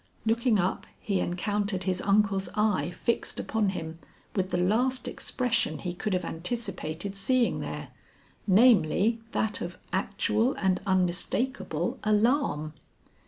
Looking up he encountered his uncle's eye fixed upon him with the last expression he could have anticipated seeing there, namely that of actual and unmistakable alarm.